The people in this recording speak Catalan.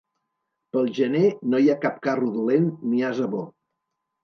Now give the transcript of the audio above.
Pel gener no hi ha cap carro dolent ni ase bo.